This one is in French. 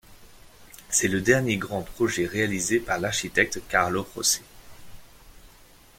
C'est le dernier grand projet réalisé par l'architecte Carlo Rossi.